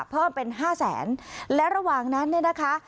เพิ่มเป็นห้าแสนและระหว่างนั้นเนี่ยนะคะ